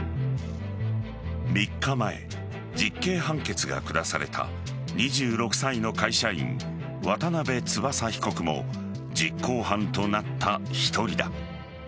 ３日前、実刑判決が下された２６歳の会社員渡辺翼被告も実行犯となった１人だ。